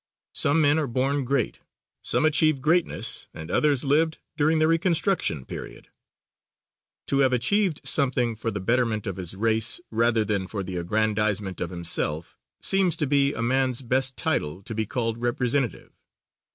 Some men are born great, some achieve greatness and others lived during the reconstruction period. To have achieved something for the betterment of his race rather than for the aggrandizement of himself, seems to be a man's best title to be called representative.